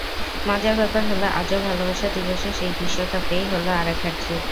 মজার ব্যাপার হলো, আজও ভালোবাসা দিবসে সেই বিশ্বকাপেই হলো আরেক হ্যাটট্রিক।